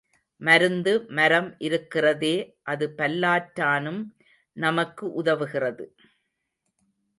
மருந்து மரம் இருக்கிறதே அது பல்லாற்றானும் நமக்கு உதவுகிறது.